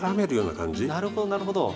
なるほどなるほど。